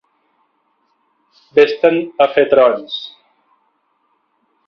Ves-te'n a fer trons!